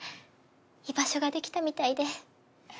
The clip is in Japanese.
居場所ができたみたいで。